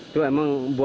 tahap dua agestu